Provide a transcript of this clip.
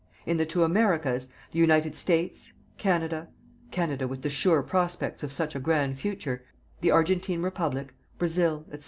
in the two Americas, the United States, Canada Canada with the sure prospects of such a grand future the Argentine Republic, Brazil, &c.